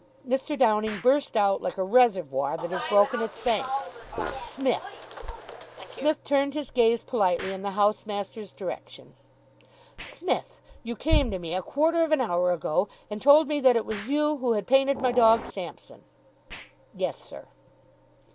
Mr. Downing burst out, like a reservoir that has broken its banks. "Smith." Psmith turned his gaze politely in the housemaster's direction. "Smith, you came to me a quarter of an hour ago and told me that it was you who had painted my dog Sampson." "Yes, sir."